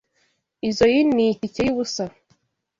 Izoi ni itike yubusa.